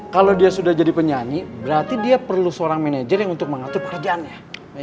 kalau dia sudah jadi penyanyi berarti dia perlu seorang manajer yang untuk mengatur pekerjaannya